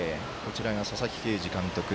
佐々木啓司監督。